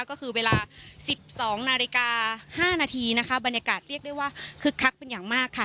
ก็คือเวลา๑๒นาฬิกา๕นาทีนะคะบรรยากาศเรียกได้ว่าคึกคักเป็นอย่างมากค่ะ